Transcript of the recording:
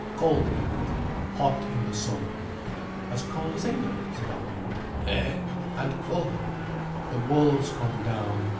Cold in the winter, hot in the summer—" "As cold as England?" said Alvina. "Hé—and colder. The wolves come down.